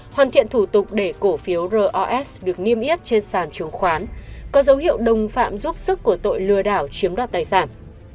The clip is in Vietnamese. hoàn thiện thủ tục để cổ phiếu ros được niêm yết trên sàn chứng khoán có dấu hiệu đồng phạm giúp sức của tội lừa đảo chiếm đoạt tài sản